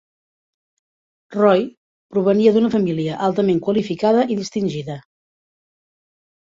Roy provenia d'una família altament qualificada i distingida.